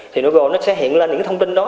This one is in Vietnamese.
thì google nó sẽ hiện ra những thông tin đó